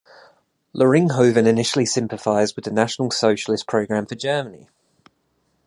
Loringhoven initially sympathized with the National Socialist program for Germany.